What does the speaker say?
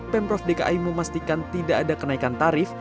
pemprov dki memastikan tidak ada kenaikan tarif